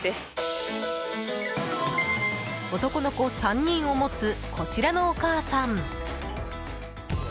男の子３人を持つこちらのお母さん。